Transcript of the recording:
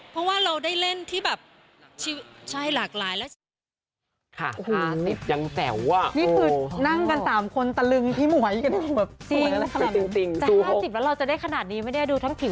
เพราะว่าเราได้เล่นที่แบบชีวิต